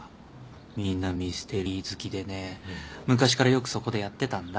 みんなミステリー好きでね昔からよくそこでやってたんだ。